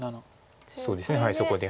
そうですねそこで。